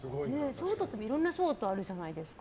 ショートもいろんなショートがあるじゃないですか。